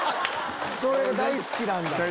それが大好きなんだ。